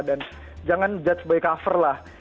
dan jangan judge by cover lah